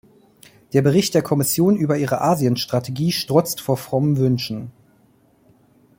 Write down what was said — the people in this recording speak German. Der Bericht der Kommission über ihre Asienstrategie strotzt vor frommen Wünschen.